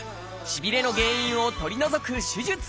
しびれの原因を取り除く手術まで。